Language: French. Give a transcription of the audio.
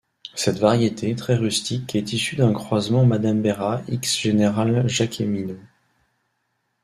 Cette variété très rustique est issue d'un croisement 'Madame Bérard' x 'Général Jacqueminot'.